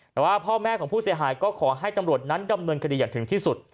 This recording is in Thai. แต่ว่าพ่อแม่ของผู้เสียหายก็ขอให้ตำรวจนั้นดำเนินคดีอย่างถึงที่สุด